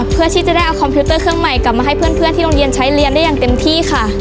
เพื่อที่จะได้เอาคอมพิวเตอร์เครื่องใหม่กลับมาให้เพื่อนที่โรงเรียนใช้เรียนได้อย่างเต็มที่ค่ะ